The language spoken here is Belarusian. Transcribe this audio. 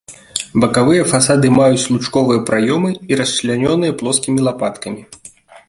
Бакавыя фасады маюць лучковыя праёмы і расчлянёныя плоскімі лапаткамі.